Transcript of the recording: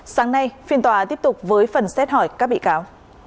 sáng nay phiên tòa tiếp tục với phần xét hỏi các bị cáo